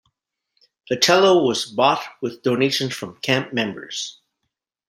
The cello was bought with donations from camp members.